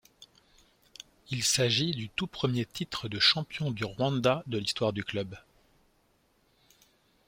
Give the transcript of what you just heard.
Il s’agit du tout premier titre de champion du Rwanda de l’histoire du club.